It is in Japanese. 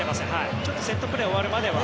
ちょっとセットプレー終わるまでは。